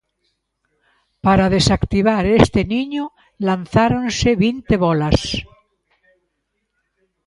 Para desactivar este niño lanzáronse vinte bólas.